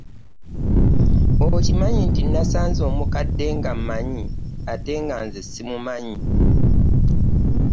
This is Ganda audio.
Okimanyi nti nasanze omukadde nga amanyi ate nga nze simumanyi.